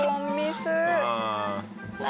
何？